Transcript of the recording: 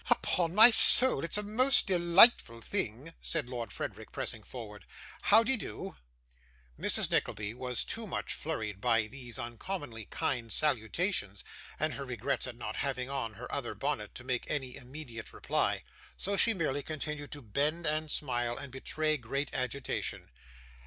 'Upon my soul, it's a most delightful thing,' said Lord Frederick, pressing forward. 'How de do?' Mrs. Nickleby was too much flurried by these uncommonly kind salutations, and her regrets at not having on her other bonnet, to make any immediate reply, so she merely continued to bend and smile, and betray great agitation.